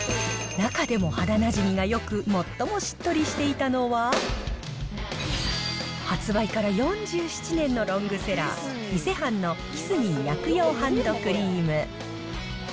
中でも肌なじみがよく、最もしっとりしていたのは、発売から４７年のロングセラー、伊勢半のキスミー薬用ハンドクリーム。